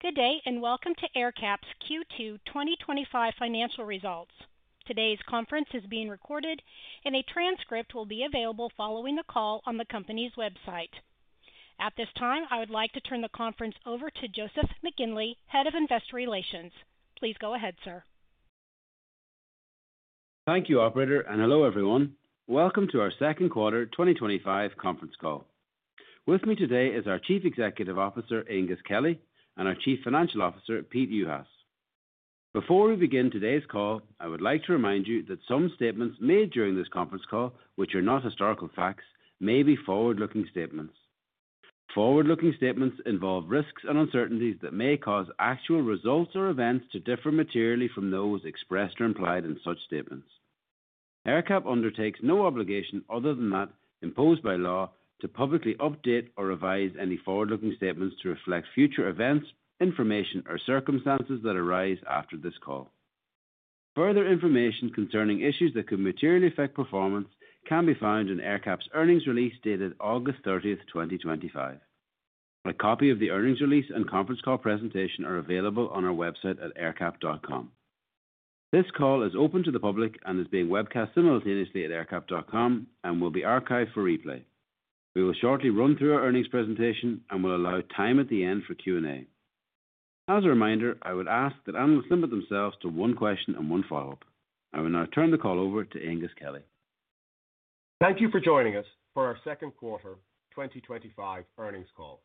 Good day, and welcome to AerCap's Q2 2025 financial results. Today's conference is being recorded, and a transcript will be available following the call on the company's website. At this time, I would like to turn the conference over to Joseph McGinley, Head of Investor Relations. Please go ahead, sir. Thank you, Operator, and hello everyone. Welcome to our second quarter 2025 conference call. With me today is our Chief Executive Officer, Aengus Kelly, and our Chief Financial Officer, Pete Juhas. Before we begin today's call, I would like to remind you that some statements made during this conference call, which are not historical facts, may be forward-looking statements. Forward-looking statements involve risks and uncertainties that may cause actual results or events to differ materially from those expressed or implied in such statements. AerCap undertakes no obligation, other than that imposed by law, to publicly update or revise any forward-looking statements to reflect future events, information, or circumstances that arise after this call. Further information concerning issues that could materially affect performance can be found in AerCap's earnings release dated August 30th, 2025. A copy of the earnings release and conference call presentation are available on our website at aercap.com. This call is open to the public and is being webcast simultaneously at aercap.com and will be archived for replay. We will shortly run through our earnings presentation and will allow time at the end for Q&A. As a reminder, I would ask that analysts limit themselves to one question and one follow-up. I will now turn the call over to Aengus Kelly. Thank you for joining us for our second quarter 2025 earnings call.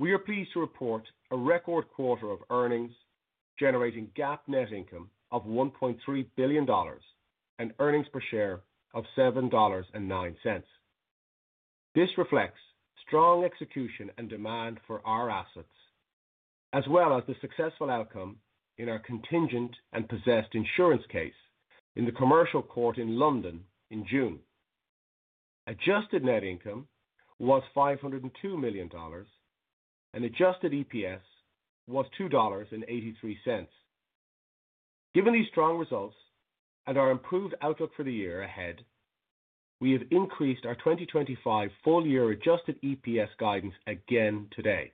We are pleased to report a record quarter of earnings generating GAAP net income of $1.3 billion and earnings per share of $7.09. This reflects strong execution and demand for our assets, as well as the successful outcome in our contingent and possessed insurance case in the Commercial Court in London in June. Adjusted net income was $502 million. Adjusted EPS was $2.83. Given these strong results and our improved outlook for the year ahead, we have increased our 2025 full-year adjusted EPS guidance again today.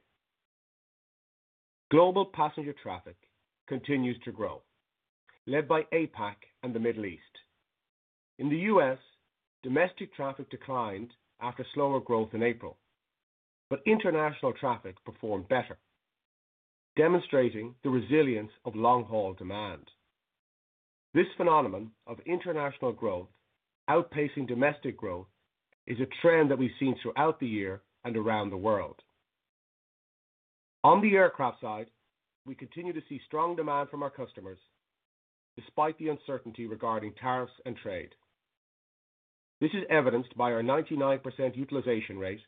Global passenger traffic continues to grow, led by APAC and the Middle East. In the U.S., domestic traffic declined after slower growth in April, but international traffic performed better, demonstrating the resilience of long-haul demand. This phenomenon of international growth outpacing domestic growth is a trend that we've seen throughout the year and around the world. On the aircraft side, we continue to see strong demand from our customers despite the uncertainty regarding tariffs and trade. This is evidenced by our 99% utilization rate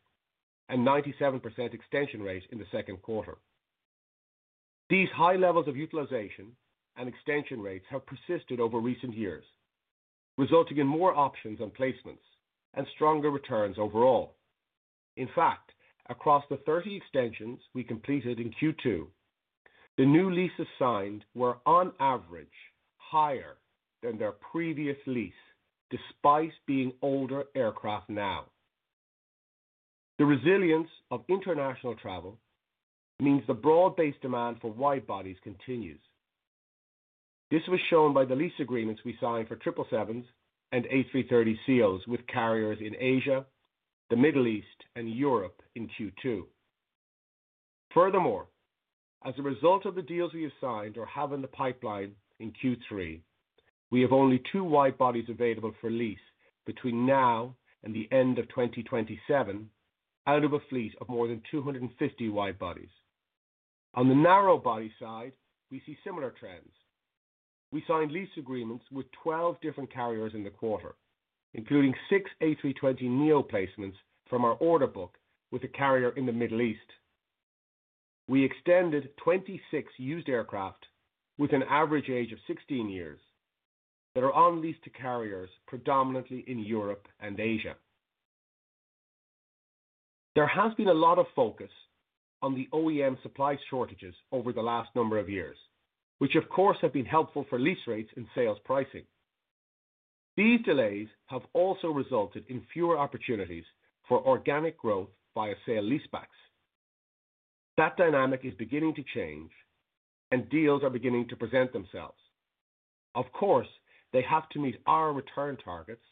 and 97% extension rate in the second quarter. These high levels of utilization and extension rates have persisted over recent years, resulting in more options and placements and stronger returns overall. In fact, across the 30 extensions we completed in Q2, the new leases signed were on average higher than their previous lease despite being older aircraft now. The resilience of international travel means the broad-based demand for wide-bodies continues. This was shown by the lease agreements we signed for 777s and A330 deals with carriers in Asia, the Middle East, and Europe in Q2. Furthermore, as a result of the deals we have signed or have in the pipeline in Q3, we have only two wide-bodies available for lease between now and the end of 2027 out of a fleet of more than 250 wide-bodies. On the narrow-body side, we see similar trends. We signed lease agreements with 12 different carriers in the quarter, including six A320neo placements from our order book with a carrier in the Middle East. We extended 26 used aircraft with an average age of 16 years that are on lease to carriers predominantly in Europe and Asia. There has been a lot of focus on the OEM supply shortages over the last number of years, which of course have been helpful for lease rates and sales pricing. These delays have also resulted in fewer opportunities for organic growth via sale-leasebacks. That dynamic is beginning to change, and deals are beginning to present themselves. Of course, they have to meet our return targets,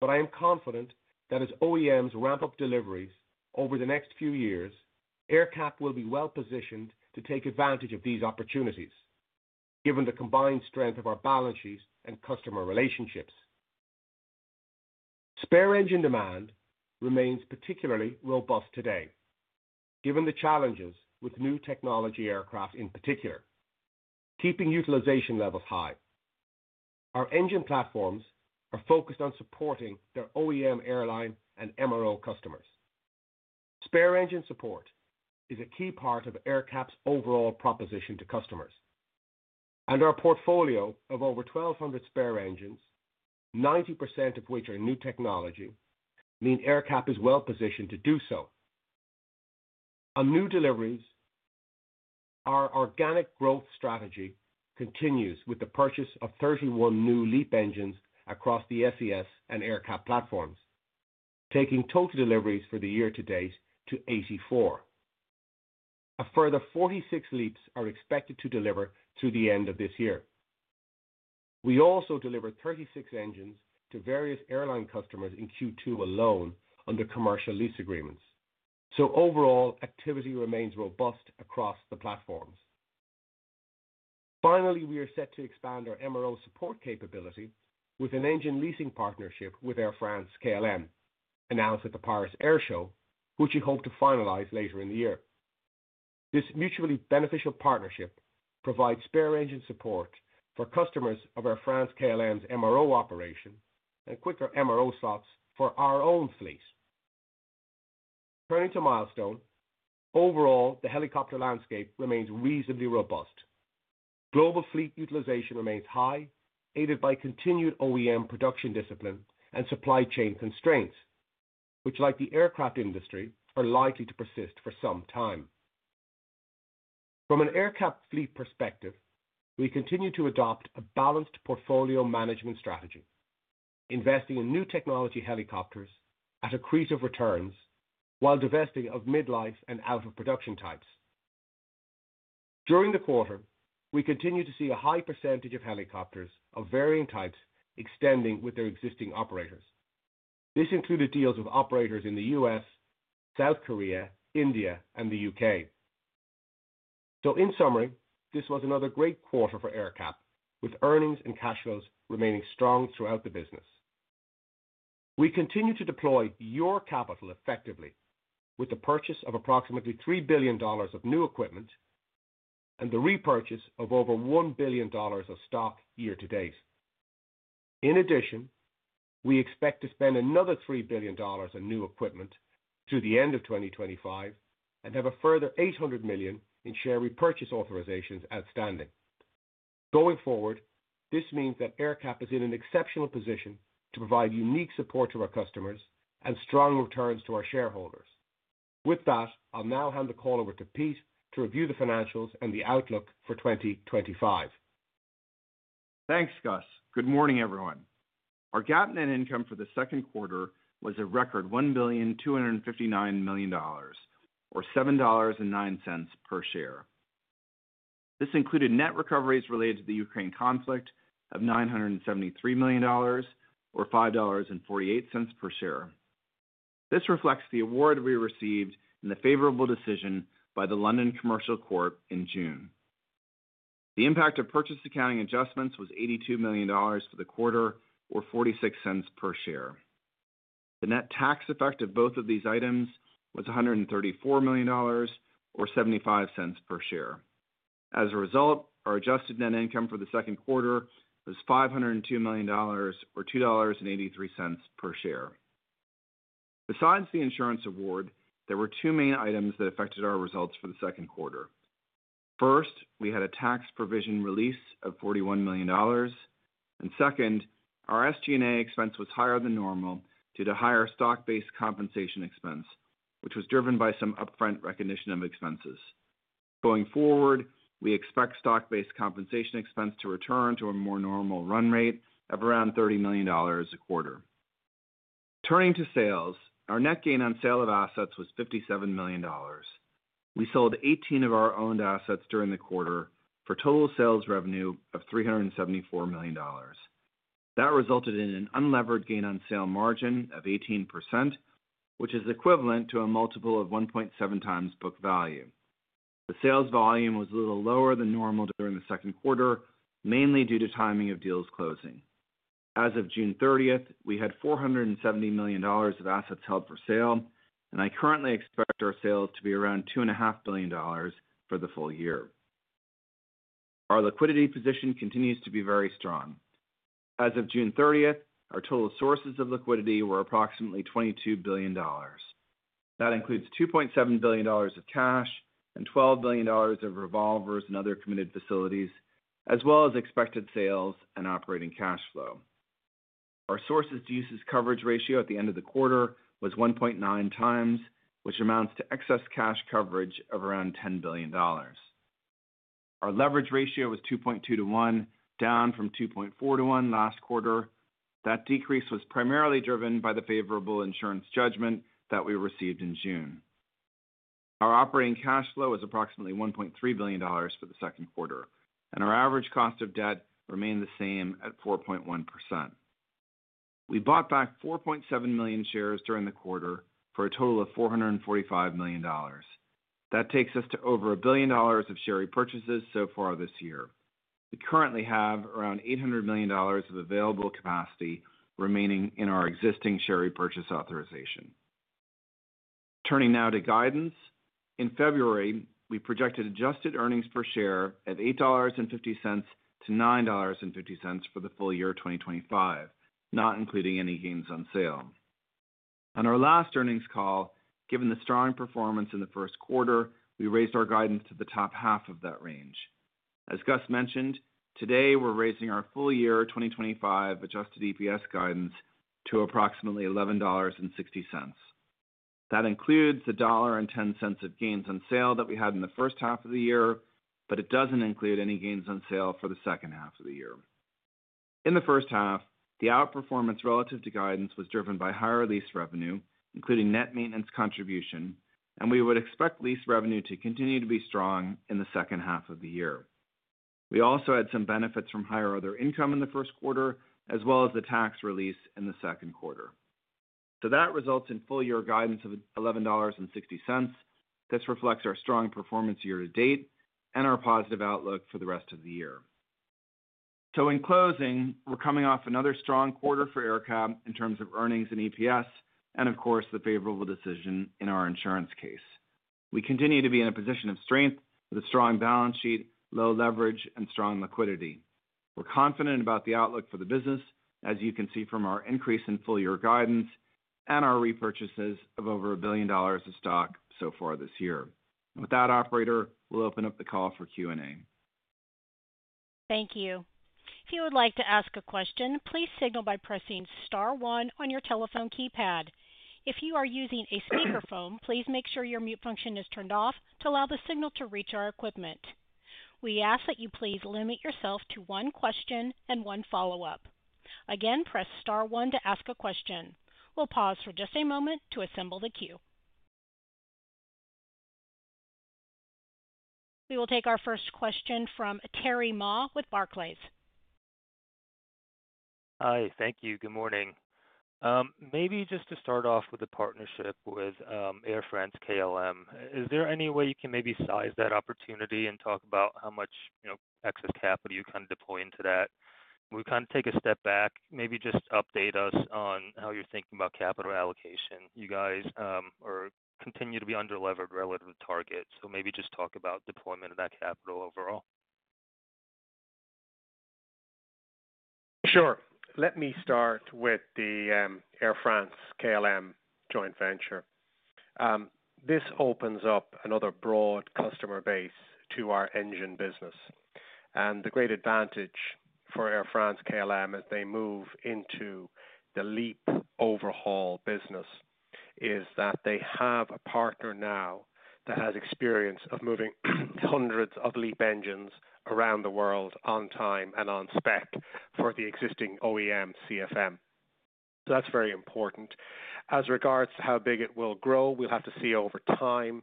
but I am confident that as OEMs ramp up deliveries over the next few years, AerCap will be well positioned to take advantage of these opportunities, given the combined strength of our balance sheets and customer relationships. Spare engine demand remains particularly robust today, given the challenges with new technology aircraft in particular, keeping utilization levels high. Our engine platforms are focused on supporting their OEM, airline, and MRO customers. Spare engine support is a key part of AerCap's overall proposition to customers, and our portfolio of over 1,200 spare engines, 90% of which are new technology, means AerCap is well positioned to do so. On new deliveries, our organic growth strategy continues with the purchase of 31 new LEAP engines across the SES and AerCap platforms, taking total deliveries for the year to date to 84. A further 46 LEAPs are expected to deliver through the end of this year. We also delivered 36 engines to various airline customers in Q2 alone under commercial lease agreements, so overall activity remains robust across the platforms. Finally, we are set to expand our MRO support capability with an engine leasing partnership with Air France-KLM announced at the Paris Air Show, which we hope to finalize later in the year. This mutually beneficial partnership provides spare engine support for customers of Air France-KLM's MRO operation and quicker MRO slots for our own fleets. Turning to Milestone, overall the helicopter landscape remains reasonably robust. Global fleet utilization remains high, aided by continued OEM production discipline and supply chain constraints, which, like the aircraft industry, are likely to persist for some time. From an AerCap fleet perspective, we continue to adopt a balanced portfolio management strategy, investing in new technology helicopters at accretive of returns while divesting of mid-life and out-of-production types. During the quarter, we continue to see a high percentage of helicopters of varying types extending with their existing operators. This included deals with operators in the U.S., South Korea, India, and the U.K. In summary, this was another great quarter for AerCap, with earnings and cash flows remaining strong throughout the business. We continue to deploy your capital effectively with the purchase of approximately $3 billion of new equipment. The repurchase of over $1 billion of stock year to date. In addition, we expect to spend another $3 billion on new equipment through the end of 2025 and have a further $800 million in share repurchase authorizations outstanding. Going forward, this means that AerCap is in an exceptional position to provide unique support to our customers and strong returns to our shareholders. With that, I'll now hand the call over to Pete to review the financials and the outlook for 2025. Thanks, Gus. Good morning, everyone. Our GAAP net income for the second quarter was a record $1.259 billion, or $7.09 per share. This included net recoveries related to the Ukraine conflict of $973 million, or $5.48 per share. This reflects the award we received and the favorable decision by the London Commercial Court in June. The impact of purchase accounting adjustments was $82 million for the quarter, or $0.46 per share. The net tax effect of both of these items was $134 million, or $0.75 per share. As a result, our adjusted net income for the second quarter was $502 million, or $2.83 per share. Besides the insurance award, there were two main items that affected our results for the second quarter. First, we had a tax provision release of $41 million. Second, our SG&A expense was higher than normal due to higher stock-based compensation expense, which was driven by some upfront recognition of expenses. Going forward, we expect stock-based compensation expense to return to a more normal run rate of around $30 million a quarter. Returning to sales, our net gain on sale of assets was $57 million. We sold 18 of our owned assets during the quarter for total sales revenue of $374 million. That resulted in an unlevered gain on sale margin of 18%, which is equivalent to a multiple of 1.7x book value. The sales volume was a little lower than normal during the second quarter, mainly due to timing of deals closing. As of June 30, we had $470 million of assets held for sale, and I currently expect our sales to be around $2.5 billion for the full year. Our liquidity position continues to be very strong. As of June 30, our total sources of liquidity were approximately $22 billion. That includes $2.7 billion of cash and $12 billion of revolvers and other committed facilities, as well as expected sales and operating cash flow. Our sources to uses coverage ratio at the end of the quarter was 1.9x, which amounts to excess cash coverage of around $10 billion. Our leverage ratio was 2.2-1, down from 2.4-1 last quarter. That decrease was primarily driven by the favorable insurance judgment that we received in June. Our operating cash flow was approximately $1.3 billion for the second quarter, and our average cost of debt remained the same at 4.1%. We bought back 4.7 million shares during the quarter for a total of $445 million. That takes us to over $1 billion of share repurchases so far this year. We currently have around $800 million of available capacity remaining in our existing share repurchase authorization. Turning now to guidance, in February, we projected adjusted earnings per share at $8.50-$9.50 for the full year 2025, not including any gains on sale. On our last earnings call, given the strong performance in the first quarter, we raised our guidance to the top half of that range. As Gus mentioned, today we're raising our full year 2025 adjusted EPS guidance to approximately $11.60. That includes the $1.10 of gains on sale that we had in the first half of the year, but it doesn't include any gains on sale for the second half of the year. In the first half, the outperformance relative to guidance was driven by higher lease revenue, including net maintenance contribution, and we would expect lease revenue to continue to be strong in the second half of the year. We also had some benefits from higher other income in the first quarter, as well as the tax release in the second quarter. That results in full year guidance of $11.60. This reflects our strong performance year to date and our positive outlook for the rest of the year. In closing, we're coming off another strong quarter for AerCap in terms of earnings and EPS, and of course, the favorable decision in our insurance case. We continue to be in a position of strength with a strong balance sheet, low leverage, and strong liquidity. We're confident about the outlook for the business, as you can see from our increase in full year guidance and our repurchases of over $ billion of stock so far this year. With that, operator, we'll open up the call for Q&A. Thank you. If you would like to ask a question, please signal by pressing Star 1 on your telephone keypad. If you are using a speakerphone, please make sure your mute function is turned off to allow the signal to reach our equipment. We ask that you please limit yourself to one question and one follow-up. Again, press Star 1 to ask a question. We'll pause for just a moment to assemble the queue. We will take our first question from Terry Ma with Barclays. Hi, thank you. Good morning. Maybe just to start off with the partnership with Air France-KLM, is there any way you can maybe size that opportunity and talk about how much excess capital you're kind of deploying to that? We kind of take a step back, maybe just update us on how you're thinking about capital allocation. You guys continue to be under-levered relative to target, so maybe just talk about deployment of that capital overall. Sure. Let me start with the Air France-KLM joint venture. This opens up another broad customer base to our engine business. The great advantage for Air France-KLM as they move into the LEAP overhaul business is that they have a partner now that has experience of moving hundreds of LEAP engines around the world on time and on spec for the existing OEM CFM. That is very important. As regards to how big it will grow, we will have to see over time.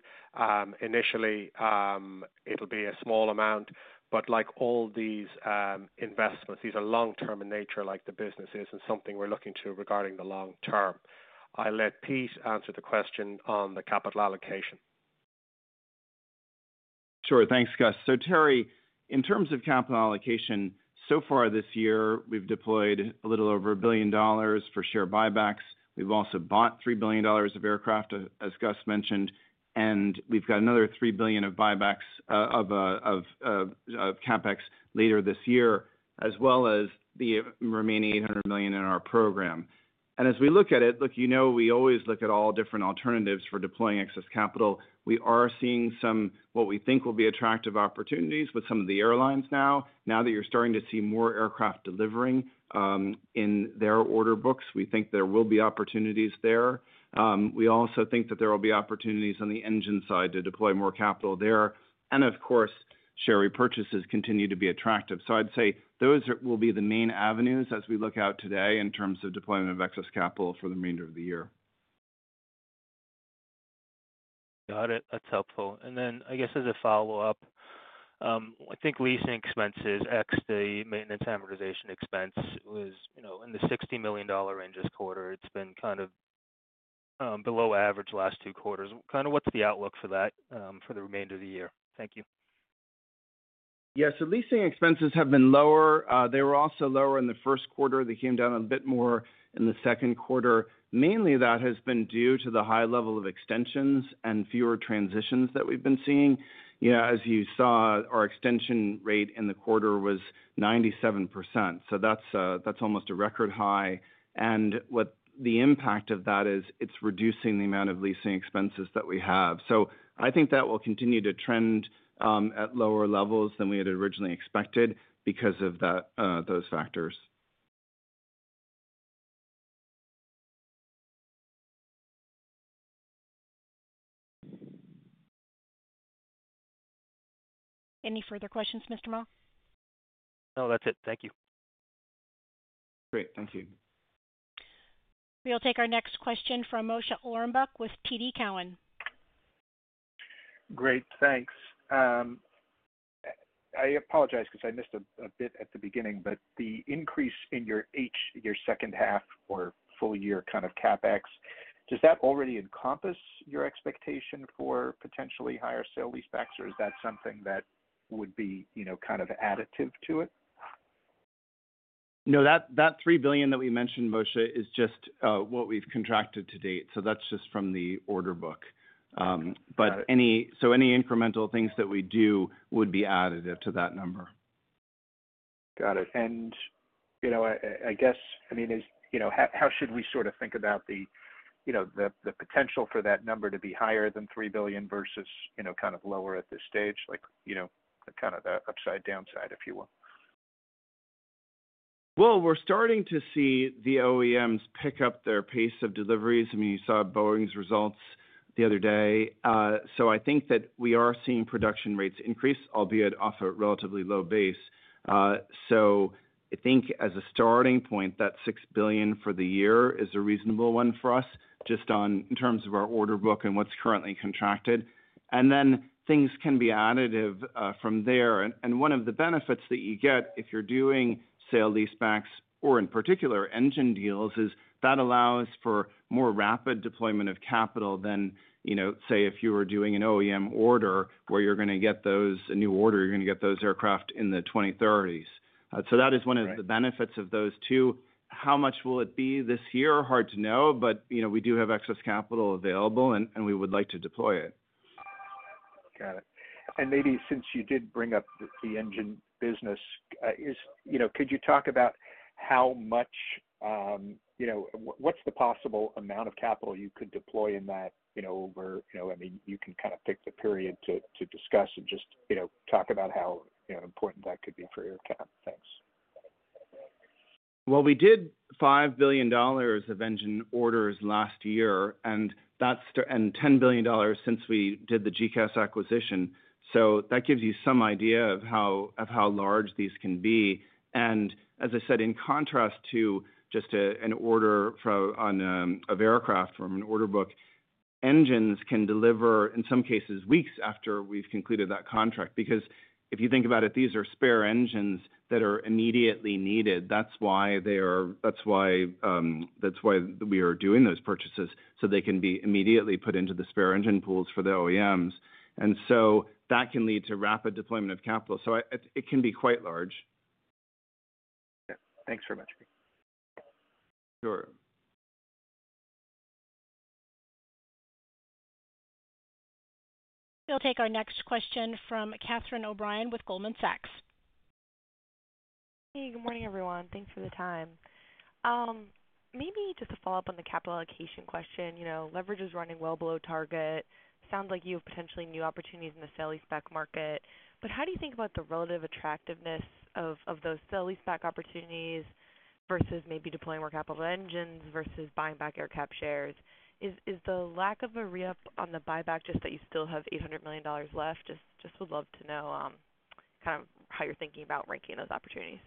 Initially, it will be a small amount, but like all these investments, these are long-term in nature, like the business is, and something we are looking to regarding the long term. I will let Pete answer the question on the capital allocation. Sure, thanks, Gus. Terry, in terms of capital allocation, so far this year, we've deployed a little over $1 billion for share buybacks. We've also bought $3 billion of aircraft, as Gus mentioned, and we've got another $3 billion of buybacks of CapEx later this year, as well as the remaining $800 million in our program. As we look at it, you know we always look at all different alternatives for deploying excess capital. We are seeing what we think will be attractive opportunities with some of the airlines now. Now that you're starting to see more aircraft delivering in their order books, we think there will be opportunities there. We also think that there will be opportunities on the engine side to deploy more capital there. Of course, share repurchases continue to be attractive. I'd say those will be the main avenues as we look out today in terms of deployment of excess capital for the remainder of the year. Got it. That's helpful. I guess as a follow-up, I think leasing expenses ex the maintenance amortization expense was in the $60 million range this quarter. It's been kind of below average the last two quarters. Kind of what's the outlook for that for the remainder of the year? Thank you. Yeah, so leasing expenses have been lower. They were also lower in the first quarter. They came down a bit more in the second quarter. Mainly, that has been due to the high level of extensions and fewer transitions that we've been seeing. As you saw, our extension rate in the quarter was 97%. That's almost a record high. The impact of that is it's reducing the amount of leasing expenses that we have. I think that will continue to trend at lower levels than we had originally expected because of those factors. Any further questions, Mr. Ma? No, that's it. Thank you. Great. Thank you. We'll take our next question from Moshe Orenbuch with TD Cowen. Great. Thanks. I apologize because I missed a bit at the beginning, but the increase in your second half or full year kind of CapEx, does that already encompass your expectation for potentially higher sale-leasebacks, or is that something that would be kind of additive to it? No, that $3 billion that we mentioned, Moshe, is just what we've contracted to date. That's just from the order book. Any incremental things that we do would be additive to that number. Got it. I guess, I mean, how should we sort of think about the potential for that number to be higher than $3 billion versus kind of lower at this stage, kind of the upside downside, if you will? We're starting to see the OEMs pick up their pace of deliveries. I mean, you saw Boeing's results the other day. I think that we are seeing production rates increase, albeit off a relatively low base. I think as a starting point, that $6 billion for the year is a reasonable one for us just in terms of our order book and what's currently contracted. Then things can be additive from there. One of the benefits that you get if you're doing sale-leasebacks or in particular engine deals is that allows for more rapid deployment of capital than, say, if you were doing an OEM order where you're going to get those, a new order, you're going to get those aircraft in the 2030s. That is one of the benefits of those two. How much will it be this year? Hard to know, but we do have excess capital available, and we would like to deploy it. Got it. Maybe since you did bring up the engine business, could you talk about how much—what's the possible amount of capital you could deploy in that over, I mean, you can kind of pick the period to discuss and just talk about how important that could be for AerCap. Thanks. We did $5 billion of engine orders last year and $10 billion since we did the GECAS acquisition. That gives you some idea of how large these can be. As I said, in contrast to just an order of aircraft from an order book, engines can deliver in some cases weeks after we've concluded that contract. If you think about it, these are spare engines that are immediately needed. That's why we are doing those purchases, so they can be immediately put into the spare engine pools for the OEMs. That can lead to rapid deployment of capital. It can be quite large. Thanks very much. Sure. We'll take our next question from Catherine O'Brien with Goldman Sachs. Hey, good morning, everyone. Thanks for the time. Maybe just a follow-up on the capital allocation question. Leverage is running well below target. Sounds like you have potentially new opportunities in the sale-leaseback market. How do you think about the relative attractiveness of those sale-leaseback opportunities versus maybe deploying more capital in engines versus buying back AerCap shares? Is the lack of a re-up on the buyback just that you still have $800 million left? Just would love to know kind of how you're thinking about ranking those opportunities.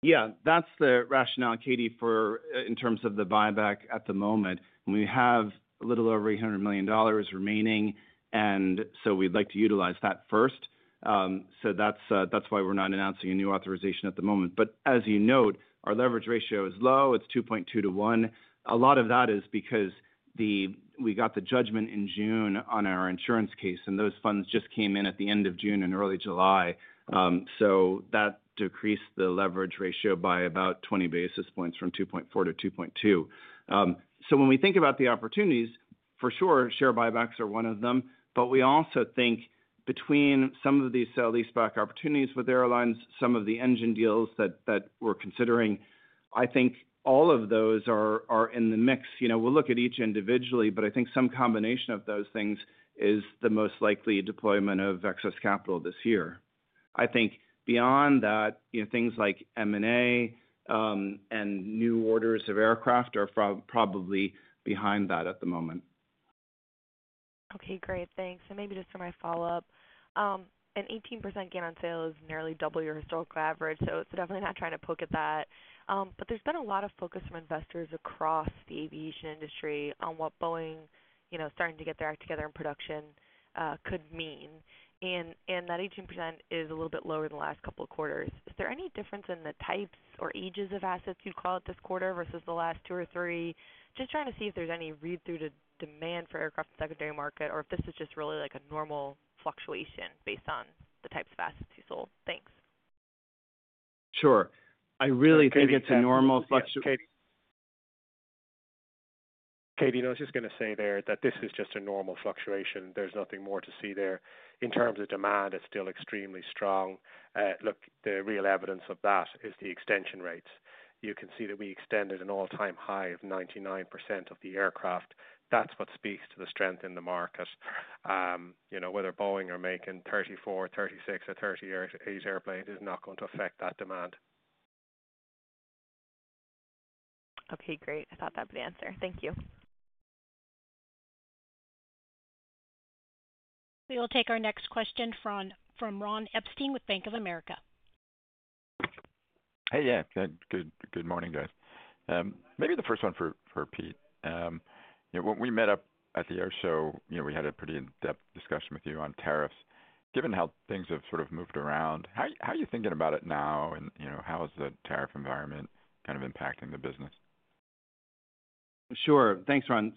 Yeah, that's the rationale, Catie, in terms of the buyback at the moment. We have a little over $800 million remaining, and so we'd like to utilize that first. That's why we're not announcing a new authorization at the moment. As you note, our leverage ratio is low. It's 2.2-1. A lot of that is because we got the judgment in June on our insurance case, and those funds just came in at the end of June and early July. That decreased the leverage ratio by about 20 basis points from 2.4 to 2.2. When we think about the opportunities, for sure, share buybacks are one of them. We also think between some of these sale-leaseback opportunities with airlines, some of the engine deals that we're considering, I think all of those are in the mix. We'll look at each individually, but I think some combination of those things is the most likely deployment of excess capital this year. I think beyond that, things like M&A and new orders of aircraft are probably behind that at the moment. Okay, great. Thanks. Maybe just for my follow-up. An 18% gain on sale is nearly double your historical average, so it's definitely not trying to poke at that. There's been a lot of focus from investors across the aviation industry on what Boeing starting to get their act together in production could mean. That 18% is a little bit lower than the last couple of quarters. Is there any difference in the types or ages of assets you'd call it this quarter versus the last two or three? Just trying to see if there's any read-through to demand for aircraft in the secondary market or if this is just really like a normal fluctuation based on the types of assets you sold. Thanks. Sure. I really think it's a normal fluctuation. Catie, I was just going to say there that this is just a normal fluctuation. There's nothing more to see there. In terms of demand, it's still extremely strong. Look, the real evidence of that is the extension rates. You can see that we extended an all-time high of 99% of the aircraft. That's what speaks to the strength in the market. Whether Boeing are making 34, 36, or 38 airplanes is not going to affect that demand. Okay, great. I thought that would answer. Thank you. We will take our next question from Ron Epstein with Bank of America. Hey, yeah. Good morning, guys. Maybe the first one for Pete. When we met up at the air show, we had a pretty in-depth discussion with you on tariffs. Given how things have sort of moved around, how are you thinking about it now, and how is the tariff environment kind of impacting the business? Sure. Thanks, Ron.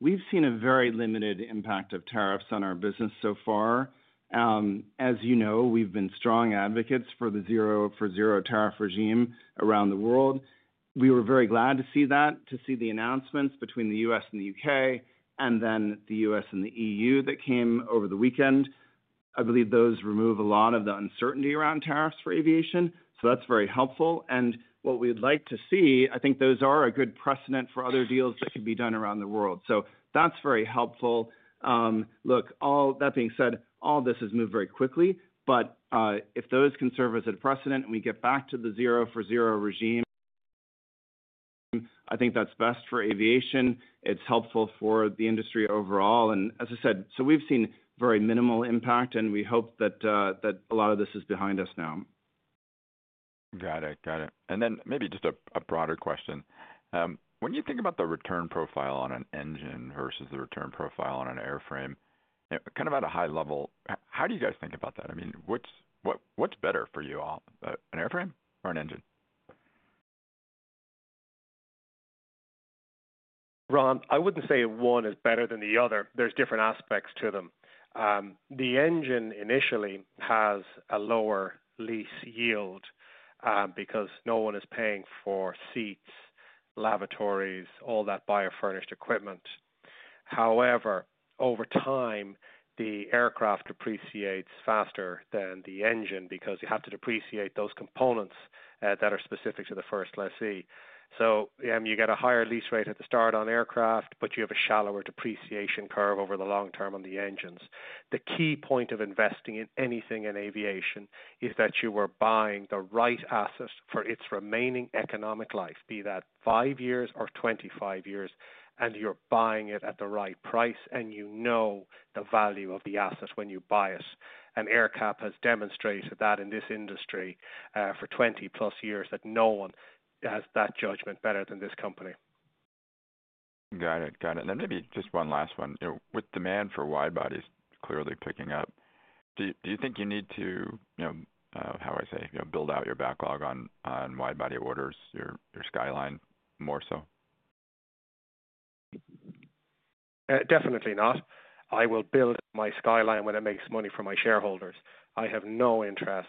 We have seen a very limited impact of tariffs on our business so far. As you know, we have been strong advocates for the zero tariff regime around the world. We were very glad to see the announcements between the U.S. and the U.K., and then the U.S. and the EU that came over the weekend. I believe those remove a lot of the uncertainty around tariffs for aviation. That is very helpful. What we would like to see, I think those are a good precedent for other deals that could be done around the world. That is very helpful. All that being said, all this has moved very quickly. If those can serve as a precedent and we get back to the zero for zero regime, I think that is best for aviation. It is helpful for the industry overall. As I said, we have seen very minimal impact, and we hope that a lot of this is behind us now. Got it. Got it. Maybe just a broader question. When you think about the return profile on an engine versus the return profile on an airframe, kind of at a high level, how do you guys think about that? I mean, what's better for you all, an airframe or an engine? Ron, I wouldn't say one is better than the other. There are different aspects to them. The engine initially has a lower lease yield because no one is paying for seats, lavatory, all that biofurnished equipment. However, over time, the aircraft depreciates faster than the engine because you have to depreciate those components that are specific to the first lessee. You get a higher lease rate at the start on aircraft, but you have a shallower depreciation curve over the long term on the engines. The key point of investing in anything in aviation is that you are buying the right asset for its remaining economic life, be that five years or 25 years, and you are buying it at the right price, and you know the value of the asset when you buy it. AerCap has demonstrated that in this industry for 20-plus years that no one has that judgment better than this company. Got it. Got it. Maybe just one last one. With demand for wide-bodies clearly picking up, do you think you need to, how I say, build out your backlog on wide-body orders, your skyline more so? Definitely not. I will build my skyline when it makes money for my shareholders. I have no interest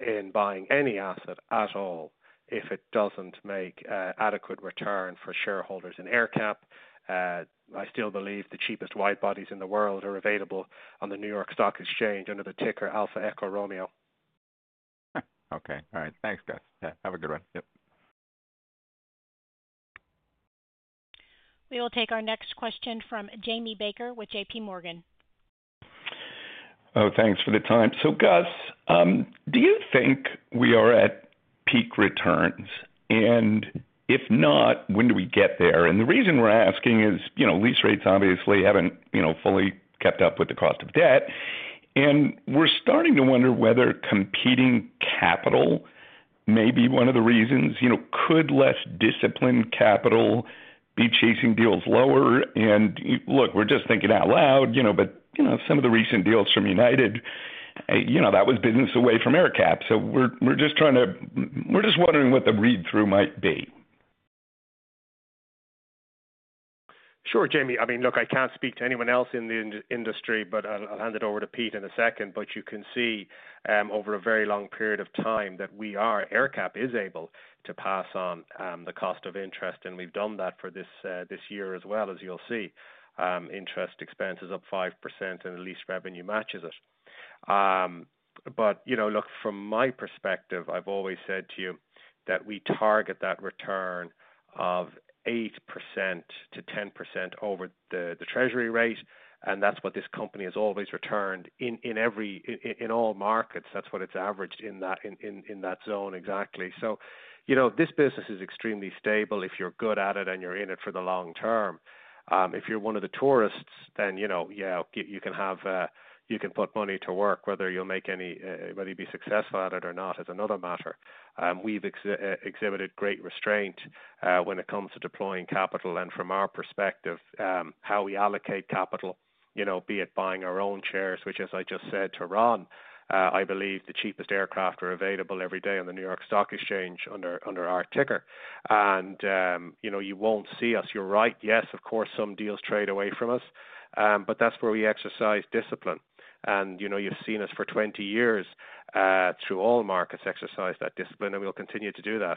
in buying any asset at all if it doesn't make an adequate return for shareholders in AerCap. I still believe the cheapest wide bodies in the world are available on the New York Stock Exchange under the ticker Alpha Echo Romeo. Okay. All right. Thanks, guys. Have a good one. Yep. We will take our next question from Jamie Baker with JPMorgan. Oh, thanks for the time. Gus, do you think we are at peak returns? If not, when do we get there? The reason we're asking is lease rates obviously haven't fully kept up with the cost of debt. We're starting to wonder whether competing capital may be one of the reasons. Could less disciplined capital be chasing deals lower? Look, we're just thinking out loud, but some of the recent deals from United, that was business away from AerCap. We're just wondering what the read-through might be. Sure, Jamie. I mean, look, I can't speak to anyone else in the industry, but I'll hand it over to Pete in a second. You can see over a very long period of time that AerCap is able to pass on the cost of interest. We've done that for this year as well, as you'll see. Interest expense is up 5%, and at least revenue matches it. Look, from my perspective, I've always said to you that we target that return of 8%-10% over the treasury rate. That's what this company has always returned in all markets. That's what it's averaged in that zone exactly. This business is extremely stable if you're good at it and you're in it for the long term. If you're one of the tourists, then yeah, you can put money to work, whether you'll make any, whether you be successful at it or not is another matter. We've exhibited great restraint when it comes to deploying capital. From our perspective, how we allocate capital, be it buying our own shares, which, as I just said to Ron, I believe the cheapest aircraft are available every day on the New York Stock Exchange under our ticker. You won't see us. You're right. Yes, of course, some deals trade away from us. That's where we exercise discipline. You've seen us for 20 years. Through all markets exercise that discipline, and we'll continue to do that.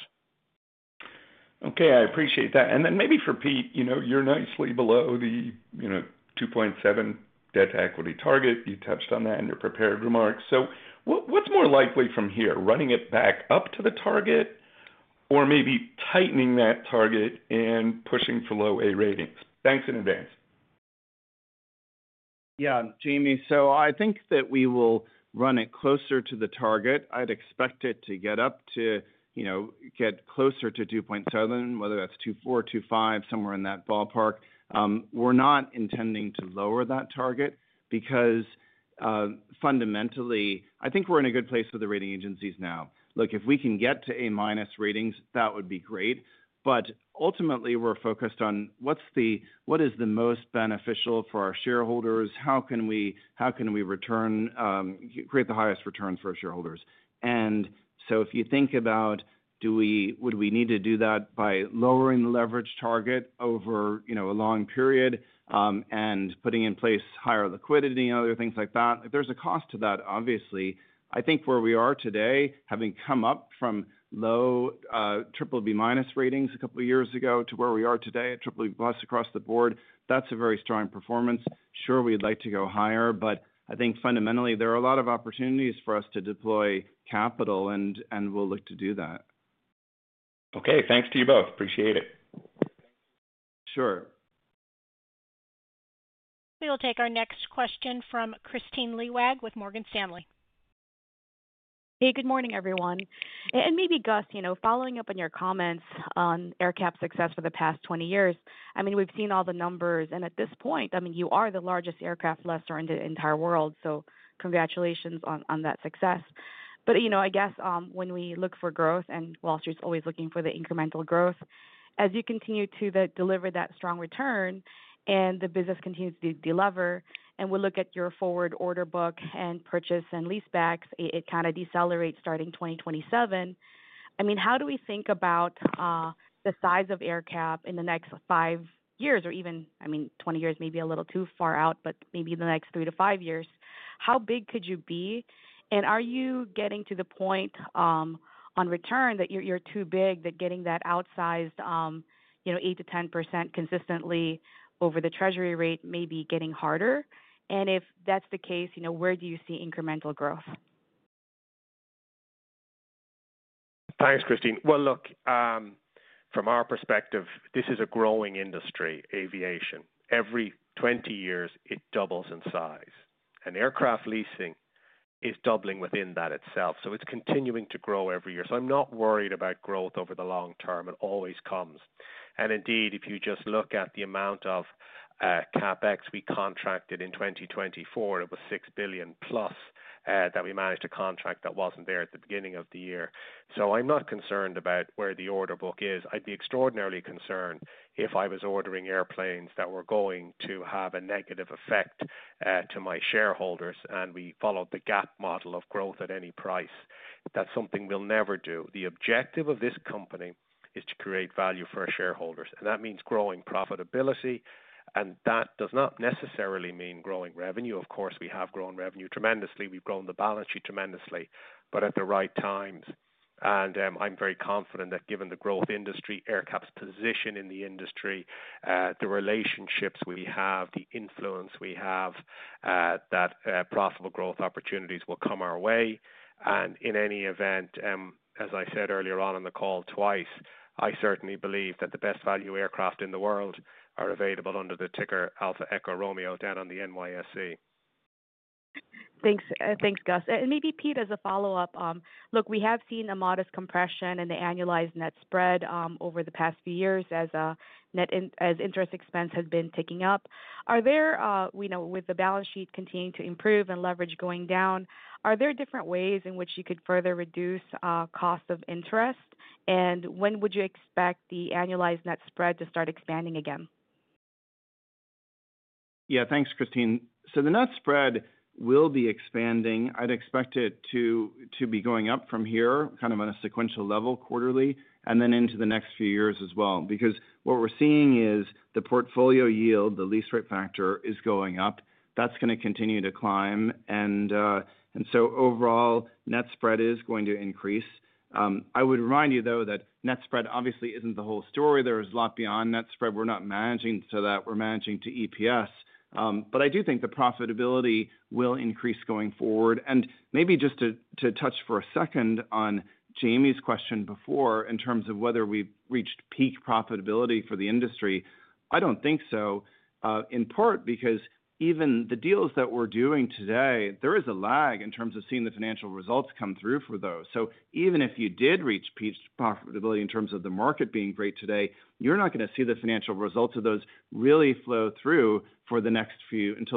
Okay. I appreciate that. Maybe for Pete, you're nicely below the 2.7 debt-to-equity target. You touched on that in your prepared remarks. What's more likely from here, running it back up to the target or maybe tightening that target and pushing for low A ratings? Thanks in advance. Yeah, Jamie. I think that we will run it closer to the target. I'd expect it to get up to, get closer to 2.7, whether that's 2.4, 2.5, somewhere in that ballpark. We're not intending to lower that target because fundamentally, I think we're in a good place with the rating agencies now. Look, if we can get to A- ratings, that would be great. Ultimately, we're focused on what is the most beneficial for our shareholders. How can we create the highest return for our shareholders? If you think about would we need to do that by lowering the leverage target over a long period and putting in place higher liquidity and other things like that, there's a cost to that, obviously. I think where we are today, having come up from low BBB- ratings a couple of years ago to where we are today at BBB+ across the board, that's a very strong performance. Sure, we'd like to go higher, but I think fundamentally, there are a lot of opportunities for us to deploy capital, and we'll look to do that. Okay. Thanks to you both. Appreciate it. Sure. We will take our next question from Kristine Liwag with Morgan Stanley. Hey, good morning, everyone. Maybe, Gus, following up on your comments on AerCap's success for the past 20 years, I mean, we've seen all the numbers. At this point, I mean, you are the largest aircraft lessor in the entire world. Congratulations on that success. I guess when we look for growth, and Wall Street's always looking for the incremental growth, as you continue to deliver that strong return and the business continues to deliver, and we look at your forward order book and purchase and leasebacks, it kind of decelerates starting 2027. I mean, how do we think about the size of AerCap in the next five years or even, I mean, 20 years, maybe a little too far out, but maybe the next three to five years? How big could you be? Are you getting to the point on return that you're too big, that getting that outsized 8%-10% consistently over the treasury rate may be getting harder? If that's the case, where do you see incremental growth? Thanks, Christine. Look, from our perspective, this is a growing industry, aviation. Every 20 years, it doubles in size. And aircraft leasing is doubling within that itself. It is continuing to grow every year. I'm not worried about growth over the long term. It always comes. If you just look at the amount of CapEx we contracted in 2024, it was $6 billion+ that we managed to contract that was not there at the beginning of the year. I'm not concerned about where the order book is. I'd be extraordinarily concerned if I was ordering airplanes that were going to have a negative effect to my shareholders. We followed the GAAP model of growth at any price. That is something we'll never do. The objective of this company is to create value for our shareholders. That means growing profitability. That does not necessarily mean growing revenue. Of course, we have grown revenue tremendously. We've grown the balance sheet tremendously, but at the right times. I'm very confident that given the growth industry, AerCap's position in the industry, the relationships we have, the influence we have, that profitable growth opportunities will come our way. In any event, as I said earlier on in the call twice, I certainly believe that the best value aircraft in the world are available under the ticker Alpha Echo Romeo down on the NYSE. Thanks, Gus. Maybe, Pete, as a follow-up, look, we have seen a modest compression in the annualized net spread over the past few years as interest expense has been ticking up. With the balance sheet continuing to improve and leverage going down, are there different ways in which you could further reduce cost of interest? When would you expect the annualized net spread to start expanding again? Yeah, thanks, Christine. The net spread will be expanding. I'd expect it to be going up from here, kind of on a sequential level, quarterly, and then into the next few years as well. Because what we're seeing is the portfolio yield, the lease rate factor is going up. That's going to continue to climb. Overall, net spread is going to increase. I would remind you, though, that net spread obviously isn't the whole story. There is a lot beyond net spread. We're not managing to that. We're managing to EPS. I do think the profitability will increase going forward. Maybe just to touch for a second on Jamie's question before in terms of whether we've reached peak profitability for the industry, I don't think so. In part because even the deals that we're doing today, there is a lag in terms of seeing the financial results come through for those. Even if you did reach peak profitability in terms of the market being great today, you're not going to see the financial results of those really flow through until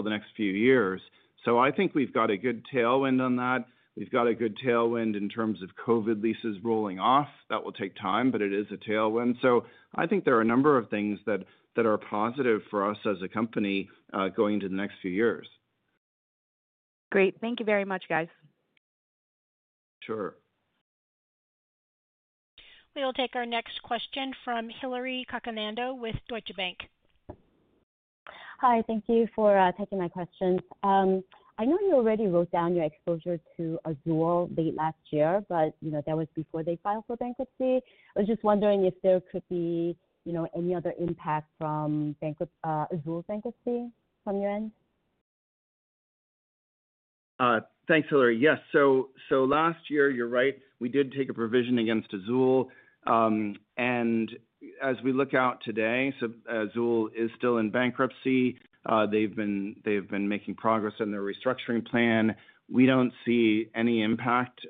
the next few years. I think we've got a good tailwind on that. We've got a good tailwind in terms of COVID leases rolling off. That will take time, but it is a tailwind. I think there are a number of things that are positive for us as a company going into the next few years. Great. Thank you very much, guys. Sure. We will take our next question from Hillary Cacanando with Deutsche Bank. Hi, thank you for taking my question. I know you already wrote down your exposure to Azul late last year, but that was before they filed for bankruptcy. I was just wondering if there could be any other impact from Azul's bankruptcy from your end? Thanks, Hillary. Yes. Last year, you're right, we did take a provision against Azul. As we look out today, Azul is still in bankruptcy. They've been making progress on their restructuring plan. We don't see any impact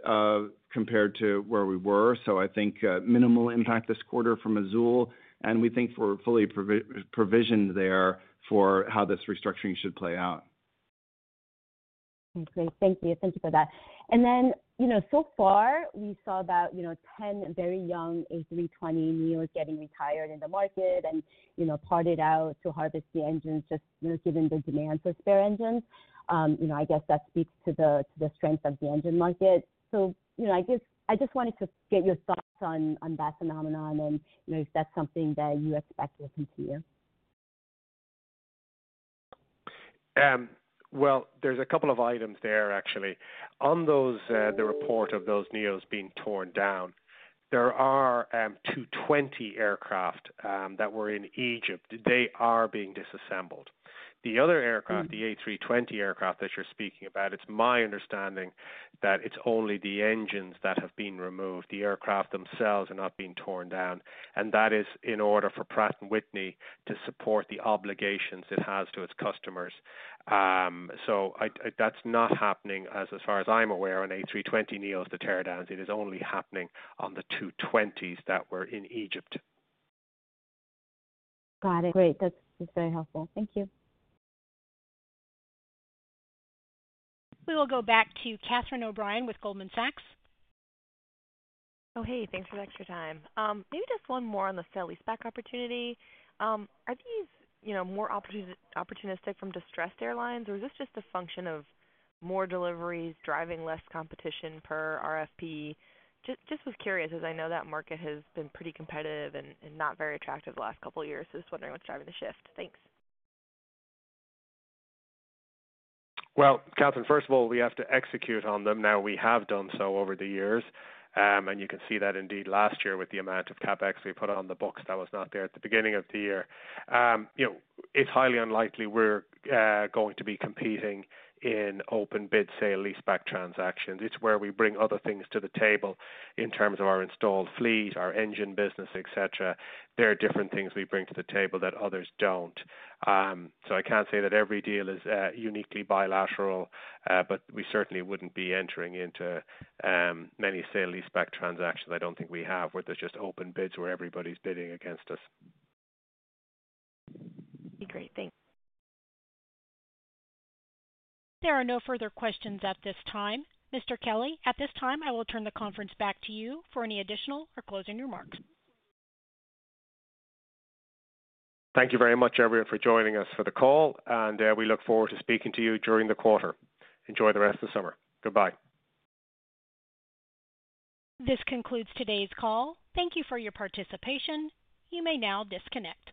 compared to where we were. I think minimal impact this quarter from Azul. We think we're fully provisioned there for how this restructuring should play out. Great. Thank you. Thank you for that. And then so far, we saw about 10 very young A320neos getting retired in the market and parted out to harvest the engines just given the demand for spare engines. I guess that speaks to the strength of the engine market. I guess I just wanted to get your thoughts on that phenomenon and if that's something that you expect will continue. There is a couple of items there, actually. On the report of those Neos being torn down. There are 220 aircraft that were in Egypt. They are being disassembled. The other aircraft, the A320 aircraft that you are speaking about, it is my understanding that it is only the engines that have been removed. The aircraft themselves are not being torn down. That is in order for Pratt & Whitney to support the obligations it has to its customers. That is not happening as far as I am aware on A320neos to teardowns. It is only happening on the 220s that were in Egypt. Got it. Great. That's very helpful. Thank you. We will go back to Catherine O'Brien with Goldman Sachs. Oh, hey, thanks for the extra time. Maybe just one more on the spare leaseback opportunity. Are these more opportunistic from distressed airlines, or is this just a function of more deliveries, driving less competition per RFP? Just was curious as I know that market has been pretty competitive and not very attractive the last couple of years. Just wondering what's driving the shift. Thanks. Catherine, first of all, we have to execute on them. Now, we have done so over the years. You can see that indeed last year with the amount of CapEx we put on the books that was not there at the beginning of the year. It's highly unlikely we're going to be competing in open bid sale-leaseback transactions. It's where we bring other things to the table in terms of our installed fleet, our engine business, etc. There are different things we bring to the table that others don't. I can't say that every deal is uniquely bilateral, but we certainly wouldn't be entering into many sale-leaseback transactions. I don't think we have where there's just open bids where everybody's bidding against us. Great. Thanks. There are no further questions at this time. Mr. Kelly, at this time, I will turn the conference back to you for any additional or closing remarks. Thank you very much, everyone, for joining us for the call. We look forward to speaking to you during the quarter. Enjoy the rest of the summer. Goodbye. This concludes today's call. Thank you for your participation. You may now disconnect.